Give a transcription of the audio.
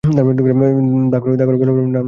ধাঁ করে বলে ফেললে, না, চিঠি তো নেই।